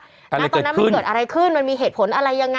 คุณก็ตอนนั้นมีเกิดอะไรขึ้นมีเหตุผลยังไง